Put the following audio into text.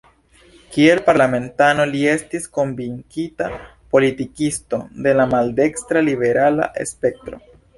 Kiel parlamentano li estis konvinkita politikisto de la maldekstra-liberala spektro.